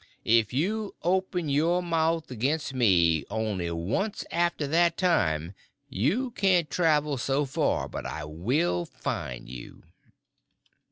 If you open your mouth against me only once after that time you can't travel so far but I will find you."